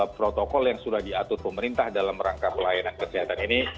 protokol yang sudah diatur pemerintah dalam rangka pelayanan kesehatan ini